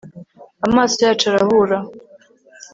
amaso yacu arahura